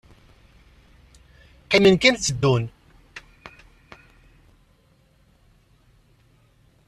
Qqimen kan tteddun.